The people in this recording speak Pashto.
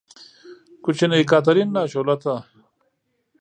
کوچنۍ کاترین، ناشولته!